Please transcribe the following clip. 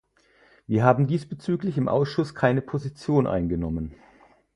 Wir haben diesbezüglich im Ausschuss keine Position eingenommen.